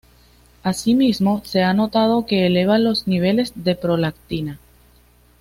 Así mismo se ha notado que eleva los niveles de prolactina.